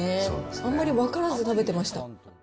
あんまり分からず食べてまし